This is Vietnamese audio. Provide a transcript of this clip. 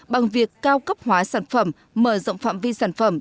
bằng việc cao cấp hóa sản phẩm mở rộng phạm vi sản phẩm